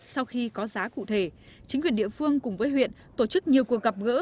sau khi có giá cụ thể chính quyền địa phương cùng với huyện tổ chức nhiều cuộc gặp gỡ